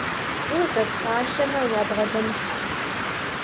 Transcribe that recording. ТӀу зэпсалъэмэ, уабгъэдэмыхьэ.